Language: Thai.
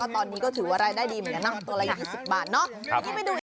ตอนนี้ก็ถือว่ารายได้ดีเหมือนกันนะตัวละ๒๐บาทเนาะ